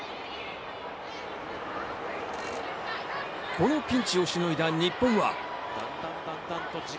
このピンチをしのいだ日本は。